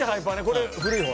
これ古い方ね。